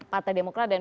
partai demokra dan